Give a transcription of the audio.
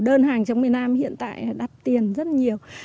đơn hàng trong miền nam hiện tại đặt tiền rất là nhiều